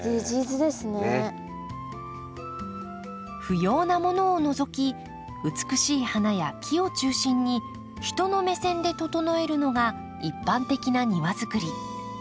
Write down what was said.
不要なものを除き美しい花や木を中心に人の目線で整えるのが一般的な庭作り。